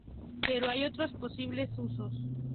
Pero hay otros posibles usos.